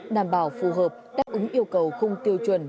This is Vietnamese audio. đảm bảo phù hợp đáp ứng yêu cầu khung tiêu chuẩn